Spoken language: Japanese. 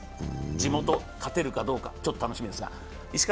地元、勝てるかどうか、ちょっと楽しみですが。